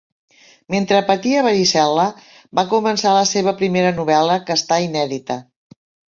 Mentre patia varicel·la, va començar la seva primera novel·la, que està inèdita.